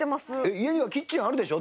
家にはキッチンあるでしょ。